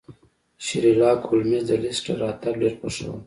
شیرلاک هولمز د لیسټرډ راتګ ډیر خوښاوه.